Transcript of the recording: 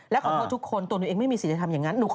และขอโทษทุกคนตัวหนูเองไม่มีสิทธิธรรมอย่างนั้นหนูขอโทษ